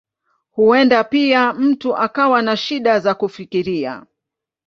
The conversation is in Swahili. Huenda pia mtu akawa na shida za kufikiria.